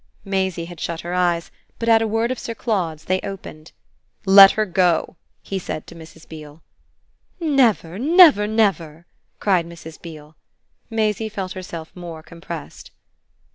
Maisie had shut her eyes, but at a word of Sir Claude's they opened. "Let her go!" he said to Mrs. Beale. "Never, never, never!" cried Mrs. Beale. Maisie felt herself more compressed.